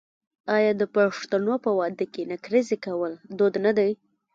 آیا د پښتنو په واده کې نکریزې کول دود نه دی؟